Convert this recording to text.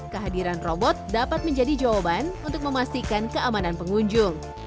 kehadiran robot dapat menjadi jawaban untuk memastikan keamanan pengunjung